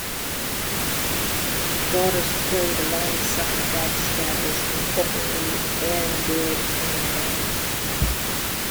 Daughters played alongside Backstabbers Incorporated and Dead and Gone.